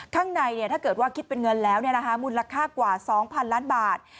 ข้างในถ้าเกิดว่าคิดเป็นเงินแล้วมูลค่ากว่า๒๐๐๐ล้านบาท